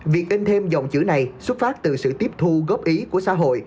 việc in thêm dòng chữ này xuất phát từ sự tiếp thu góp ý của xã hội